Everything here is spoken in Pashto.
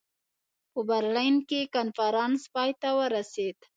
په برلین کې کنفرانس پای ته ورسېد.